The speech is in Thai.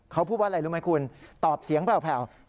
เขาพูดว่าอะไรรู้ไหมคุณตอบเสียงแผ่ว